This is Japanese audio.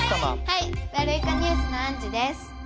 はいワルイコニュースのあんじゅです。